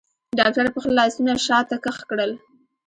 ډاکتر خپل لاسونه شاته کښ کړل.